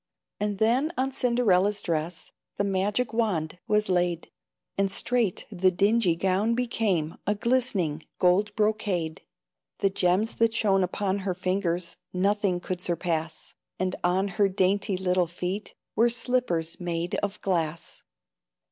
And then on Cinderella's dress The magic wand was laid, And straight the dingy gown became A glistening gold brocade. The gems that shone upon her fingers Nothing could surpass; And on her dainty little feet Were slippers made of glass.